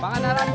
pakan naran bu